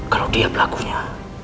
kalau dia pelakunya